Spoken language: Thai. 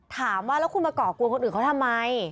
ถามว่าแล้วคุณมาก่อกวนคนอื่นเขาทำไม